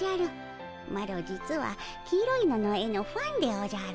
マロ実は黄色いのの絵のファンでおじゃる。